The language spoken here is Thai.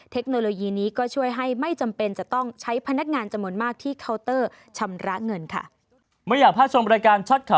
เทคโนโลยีนี้ก็ช่วยให้ไม่จำเป็นจะต้องใช้พนักงานจำนมาก